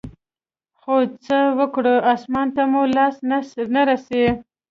خو څه وكړو اسمان ته مو لاس نه رسي.